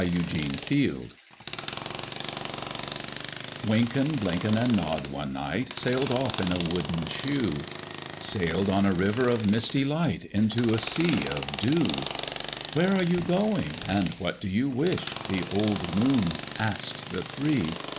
DUTCH LULLABY Wynken, Blynken, and Nod one night Sailed off in a wooden shoe, Sailed on a river of misty light Into a sea of dew. "Where are you going, and what do you wish?" The old moon asked the three.